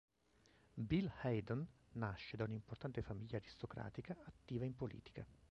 Bill Haydon nasce da un'importante famiglia aristocratica attiva in politica.